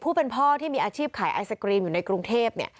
พ่อที่มีอาชีพขายไอศกรีมอยู่ในกรุงเทพ